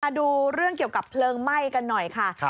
ดูเรื่องเกี่ยวกับเพลิงไหม้กันหน่อยค่ะ